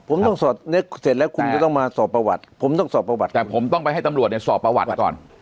ผมต้องสอบนึกเสร็จแล้วคุณจะต้องมาสอบประวัติผมต้องสอบประวัติแต่ผมต้องไปให้ตำรวจเนี่ยสอบประวัติก่อน